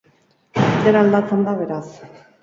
Dena aldatzen da, beraz.